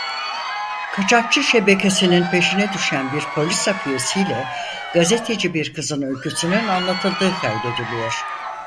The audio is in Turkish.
Kaçakçı şebekesinin peşine düşen bir polis hafiyesiyle gazeteci bir kızın öyküsünün anlatıldığı kaydediliyor.